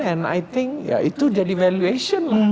and i thing ya itu jadi valuation lah